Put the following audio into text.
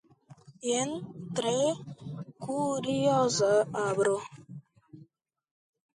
Jen tre kurioza arbo.